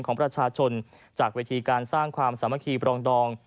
ของประชาชนจากเวทีการสร้างความสามัคคีปรองดอง